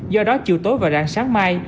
do đó chiều tối và rạng sáng mai